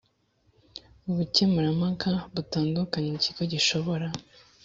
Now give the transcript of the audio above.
Ubukemurampaka butandukanye ikigo gishobora